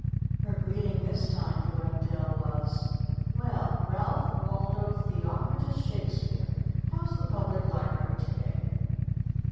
Her greeting this time to Wendell was, "Well, Ralph Waldo Theocritus Shakespeare, how's the Public Library to day?"